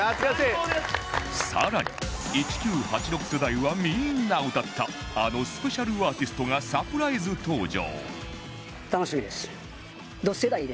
更に１９８６世代はみんな歌ったあのスペシャルアーティストがサプライズ登場！